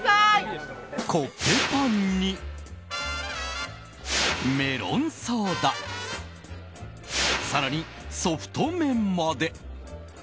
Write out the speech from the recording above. コッペパンにメロンソーダ更に、ソフトメンまで。